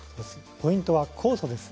ポイントは酵素です。